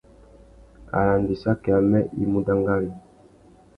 Arandissaki amê i mú dangari.